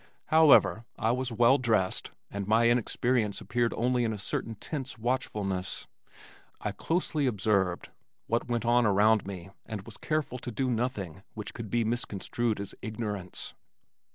However, I was well dressed, and my inexperience appeared only in a certain tense watchfulness. I closely observed what went on around me and was careful to do nothing which could be misconstrued as ignorance.